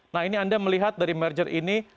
nah ini anda melihat dari merger ini